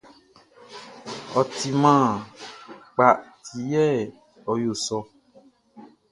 Ɔ timan kpa ti yɛ ɔ yo sɔ ɔ.